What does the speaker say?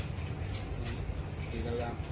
สวัสดีครับ